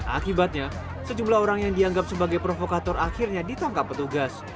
akibatnya sejumlah orang yang dianggap sebagai provokator akhirnya ditangkap petugas